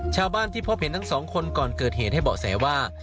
ชาวบ้านที่พบเห็นทั้งสองคนก่อนเกิดเหตุให้เบาะแสว่า